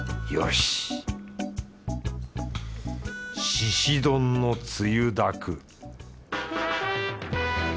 しし丼のつゆだく